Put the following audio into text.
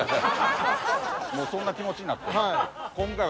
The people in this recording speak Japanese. そんな気持ちになってんの。